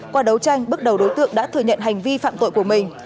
qua đấu tranh bước đầu đối tượng đã thừa nhận hành vi phạm tội của mình